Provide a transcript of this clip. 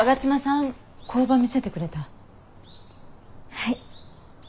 はい。